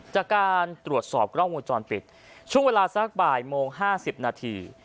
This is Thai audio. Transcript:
จากการตรวจสอบกล้องวงจรปิดช่วงเวลาสักบ่ายโมง๕๐นาที